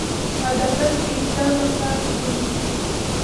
عدالت د اسلام اساس دی